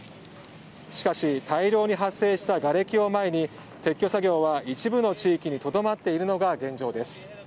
しかし、大量に発生したがれきを前に撤去作業は一部の地域にとどまっているのが現状です。